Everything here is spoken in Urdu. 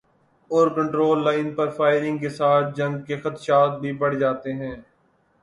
اورکنٹرول لائن پر فائرنگ کے ساتھ جنگ کے خدشات بھی بڑھ جاتے ہیں۔